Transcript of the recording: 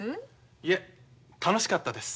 いえ楽しかったです。